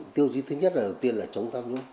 tiêu chí thứ nhất là đầu tiên là trống tâm